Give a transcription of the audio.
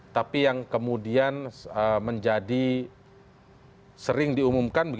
tapi yang kemudian menjadi sering diumumkan